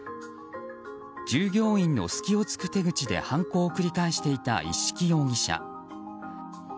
従業員の隙を突く手口で犯行を繰り返していた一色容疑者。